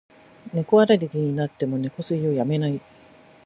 猫アレルギーになっても、猫吸いをやめない。